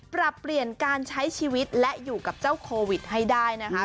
ปรับเปลี่ยนการใช้ชีวิตและอยู่กับเจ้าโควิดให้ได้นะคะ